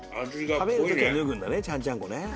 食べる時は脱ぐんだねちゃんちゃんこね。